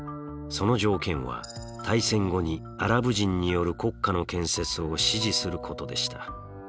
その条件は大戦後にアラブ人による国家の建設を支持することでした。